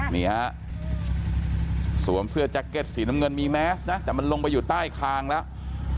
นี่ฮะสวมเสื้อแจ็คเก็ตสีน้ำเงินมีแมสนะแต่มันลงไปอยู่ใต้คางแล้ว